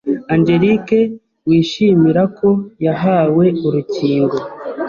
Angelique wishimira ko yahawe urukingo